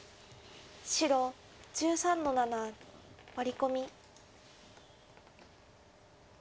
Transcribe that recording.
白１３の七ワリコミ。